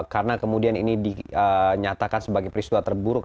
karena kemudian ini dinyatakan sebagai peristua terburuk